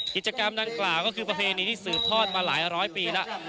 กิจกรรมดังกล่าวก็คือประเพณีที่สืบทอดมาหลายร้อยปีแล้ว